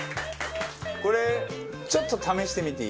これちょっと試してみていい？